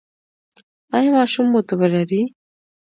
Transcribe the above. ایا ماشوم مو تبه لري؟